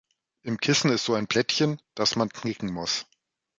Im Kissen ist so ein Plättchen, das man knicken muss.